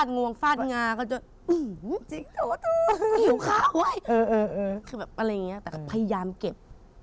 ถึงแบบอะไรอย่างงี้พยายามเก็บ